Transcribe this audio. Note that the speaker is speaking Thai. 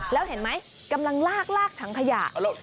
แล้วเห็นไหมกำลังลากลากถังขยะ